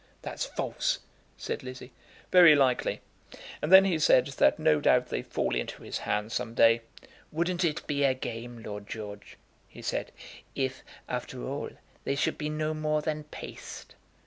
"That's false," said Lizzie. "Very likely. And then he said that no doubt they'd fall into his hands some day. 'Wouldn't it be a game, Lord George,' he said, 'if, after all, they should be no more than paste?'